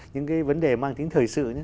những cái vấn đề mang tính thời sự